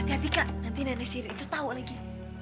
hati hati kak nanti nenek siri itu tahu lagi